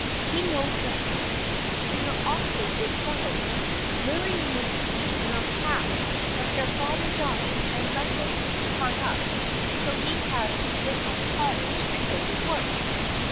He knows them too. They are awfully good fellows. Murray used to be in our class, but their father died and left them pretty hard up so he had to give up college and go to work."